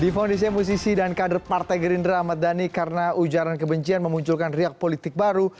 di fondisinya musisi dan kader partai gerindra ahmad dhani karena ujaran kebencian memunculkan riak politik baru